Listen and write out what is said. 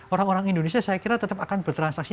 orang orang indonesia saya kira tetap akan bertransaksi